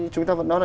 chúng ta vẫn nói là